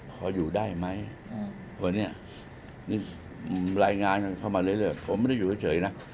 เขาอยู่ได้ไหมเพราะนี่รายงานเข้ามาเรื่อยผมไม่ได้อยู่เฉยนะ